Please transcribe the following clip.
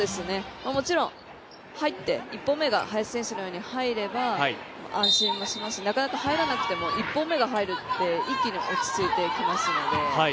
もちろん入って１本目が林選手のように入れば安心もしますしなかなか入らなくても１本目が入るって一気に落ち着いてきますので。